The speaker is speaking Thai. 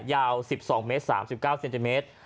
ยาว๑๒เมตร๓๙เซนติเมตร